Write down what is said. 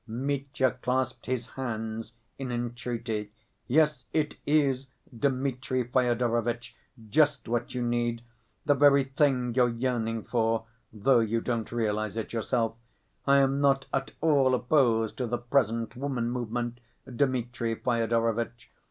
Mitya clasped his hands in entreaty. "Yes, it is, Dmitri Fyodorovitch, just what you need; the very thing you're yearning for, though you don't realize it yourself. I am not at all opposed to the present woman movement, Dmitri Fyodorovitch.